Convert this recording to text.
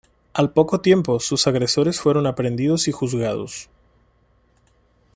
Al poco tiempo sus agresores fueron aprendidos y juzgados.